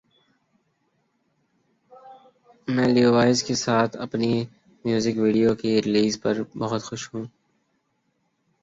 میں لیوائز کے ساتھ اپنی میوزک ویڈیو کی ریلیز پر بہت خوش ہوں